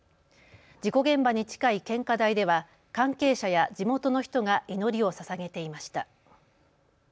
事故現場に近い献花台では関係者や地元の人が祈りをささげていました。